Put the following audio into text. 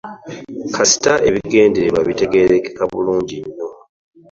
Kasita ebigendererwa bitegeerekeka bulungi nnyo.